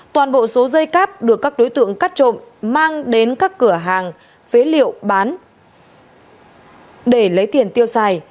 toàn bộ số dây cáp được các đối tượng cắt trộm mang đến các cửa hàng phế liệu bán để lấy tiền tiêu xài